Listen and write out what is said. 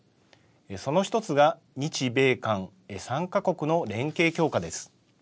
その一つが日米韓３か国の連携強化です。